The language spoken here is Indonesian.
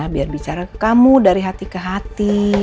biar bicara ke kamu dari hati ke hati